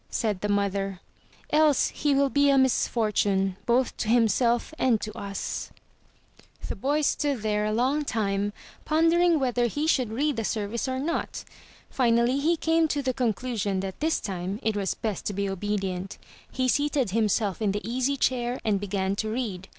said the mother, "else he will be a misfortime, both to himself and to us." 409 MY BOOK HOUSE The boy stood there a long time pondering whether he should read the service or not. Finally, he came to the conclusion that this time it was best to be obedient. He seated himself in the easy chair, and began to read.